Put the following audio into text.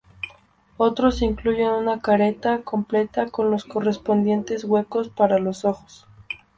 Otros incluyen una careta completa con los correspondientes huecos para los ojos.